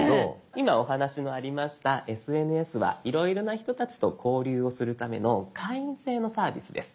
今お話のありました「ＳＮＳ」はいろいろな人たちと交流をするための会員制のサービスです。